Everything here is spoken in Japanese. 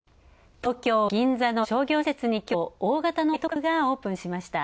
東京・銀座の商業施設に、きょう大型のナイトクラブがオープンしました。